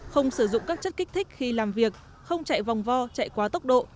không sử dụng các chất kích thích khi làm việc không chạy vòng vo chạy quá tốc độ